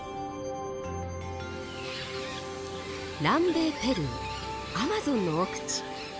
南米ペルーアマゾンの奥地。